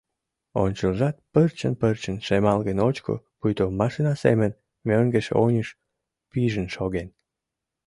Ончылжат, пырчын-пырчын, шемалге ночко, пуйто машина семын мӧҥгеш-оньыш пижын шоген.